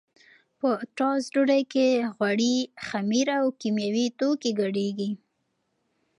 په ټوسټ ډوډۍ کې غوړي، خمیر او کیمیاوي توکي ګډېږي.